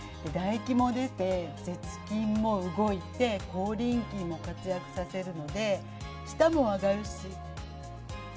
唾液も出て、舌筋も動いて、口輪筋も活躍させるので、舌も上がるし。